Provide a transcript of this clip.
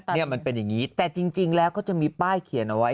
นี่มันเป็นอย่างนี้แต่จริงแล้วก็จะมีป้ายเขียนเอาไว้